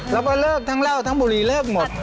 แล้วก็เลิกทั้งเหล้าทั้งบุรีเลิกหมด